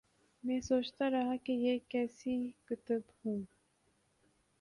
میں سوچتارہا کہ یہ کیسی کتب ہوں۔